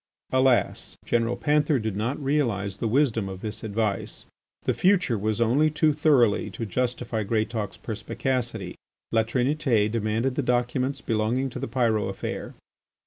Alas! General Panther did not realise the wisdom of this advice. The future was only too thoroughly to justify Greatauk's perspicacity. La Trinité demanded the documents belonging, to the Pyrot affair.